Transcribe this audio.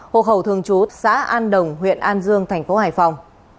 hộ khẩu thường trú tại thôn văn xá xã quốc tuấn huyện an dương tp hcm